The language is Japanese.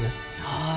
はい。